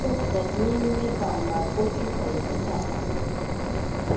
Huk kaqninmi Pampakʼuchu taytachaqa.